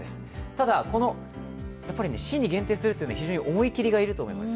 ただ、この市に限定するというのは非常に思い切りがいると思います。